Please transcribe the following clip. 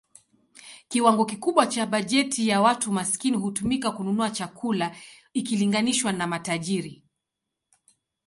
Kiwango kikubwa cha bajeti za watu maskini hutumika kununua chakula ikilinganishwa na matajiri.